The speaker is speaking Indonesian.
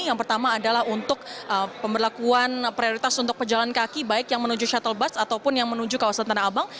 yang pertama adalah untuk pemberlakuan prioritas untuk pejalan kaki baik yang menuju shuttle bus ataupun yang menuju kawasan tanah abang